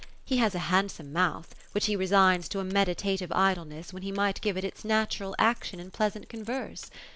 He has a handsome mouth, which he resigns to a meditative idleness, when he might give it its natural action in pleasant converse.